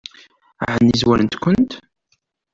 Ɛni zwarent-kent?